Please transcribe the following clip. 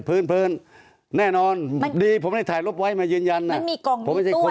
พื้นพื้นแน่นอนดีผมได้ถ่ายรถไว้มายืนยันมันมีกล่องมีตู้อะไร